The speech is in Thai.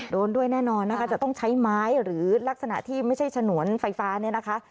โดนด้วยแน่นอนนะคะจะต้องใช้ไม้หรือลักษณะที่ไม่ใช่ฉนวนไฟฟ้าเนี่ยนะคะ